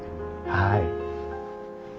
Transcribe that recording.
はい。